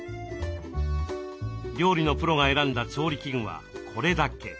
料理のプロが選んだ調理器具はこれだけ。